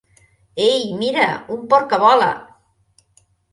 Ei, mira, un porc que vola!